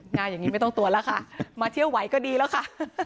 งานอย่างนี้ไม่ต้องตรวจแล้วค่ะมาเที่ยวไหวก็ดีแล้วค่ะ